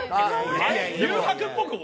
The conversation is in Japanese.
『幽白』っぽくも。